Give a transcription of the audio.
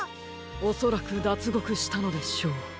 おそらくだつごくしたのでしょう。